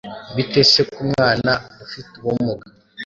Bite se ku mwana ufite ubumuga